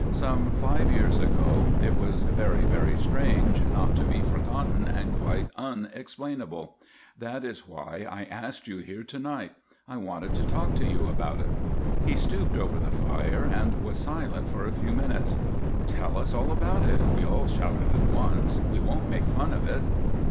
"Some five years ago, it was very, very strange, not to be forgotten and quite unexplainable; that is why I asked you here to night. I wanted to talk to you about it." He stooped over the fire and was silent for a few minutes. "Tell us all about it," we all shouted at once, "we won't make fun of it."